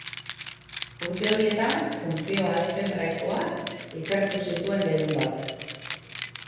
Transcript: Urte horietan funtzio aljebraikoak ikertu zituen gehienbat.